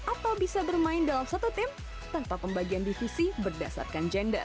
atau bisa bermain dalam satu tim tanpa pembagian divisi berdasarkan gender